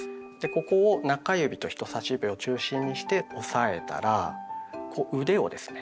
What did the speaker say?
ここを中指と人さし指を中心にして押さえたらこう腕をですね